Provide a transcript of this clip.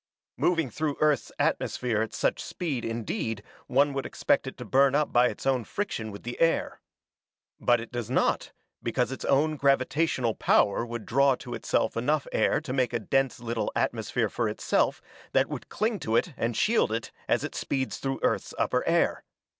"Moving through Earth's atmosphere at such speed, indeed, one would expect it to burn up by its own friction with the air. But it does not, because its own gravitational power would draw to itself enough air to make a dense little atmosphere for itself that would cling to it and shield it as it speeds through Earth's upper air.